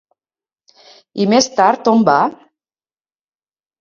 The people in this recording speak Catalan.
I més tard on va?